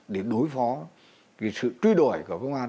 để đối phó sự truy đổi của công an